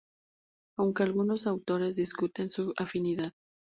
Aunque algunos autores discuten su afinidad.